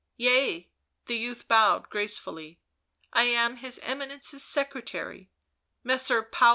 "Yea," the youth bowed gracefully; "I am his Eminence's secretary, Messer Paolo Orsini."